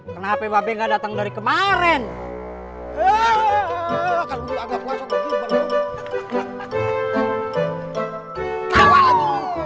kenapa nggak datang dari kemarin kalau agak agak